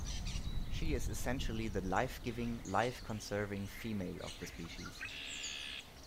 She is essentially the life-giving, life-conserving female of the species.